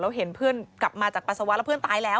แล้วเห็นเพื่อนกลับมาจากปัสสาวะแล้วเพื่อนตายแล้ว